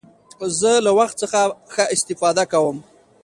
زه له وخت څخه ښه استفاده کوم.